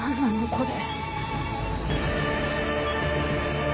これ。